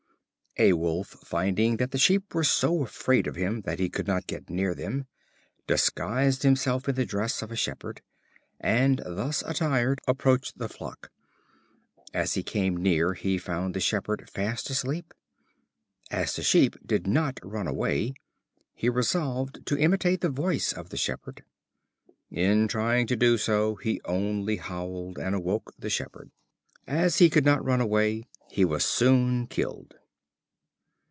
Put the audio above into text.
A wolf, finding that the sheep were so afraid of him that he could not get near them, disguised himself in the dress of a shepherd, and thus attired approached the flock. As he came near, he found the shepherd fast asleep. As the sheep did not run away, he resolved to imitate the voice of the shepherd. In trying to do so, he only howled, and awoke the shepherd. As he could not run away, he was soon killed.